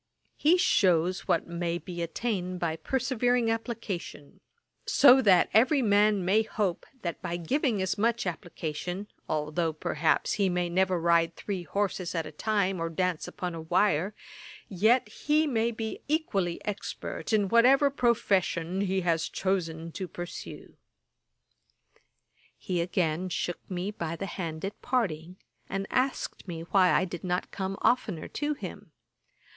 He shews what may be attained by persevering application; so that every man may hope, that by giving as much application, although perhaps he may never ride three horses at a time, or dance upon a wire, yet he may be equally expert in whatever profession he has chosen to pursue.' He again shook me by the hand at parting, and asked me why I did not come oftener to him.